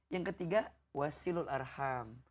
yang ketiga wasilul arham